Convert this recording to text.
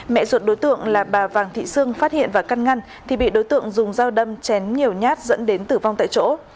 mẹ ruột đối tượng là bà vàng thị sương phát hiện và căn ngăn thì bị đối tượng dùng dao đâm chém nhiều nhát dẫn đến tử vong tại chỗ